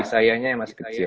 misalnya masih kecil